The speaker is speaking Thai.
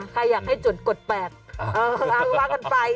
ใครอยากให้จุดกดแปรก